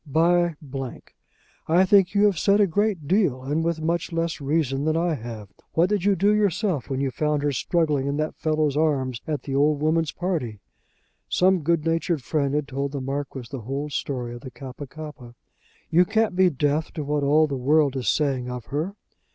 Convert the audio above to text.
"By , I think you have said a great deal, and with much less reason than I have. What did you do yourself when you found her struggling in that fellow's arms at the old woman's party?" Some good natured friend had told the Marquis the whole story of the Kappa kappa. "You can't be deaf to what all the world is saying of her."